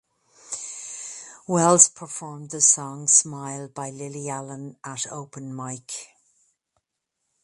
Wells performed the song "Smile" by Lily Allen at an open mic.